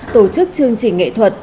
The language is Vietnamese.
tổ chức chương trình nghệ thuật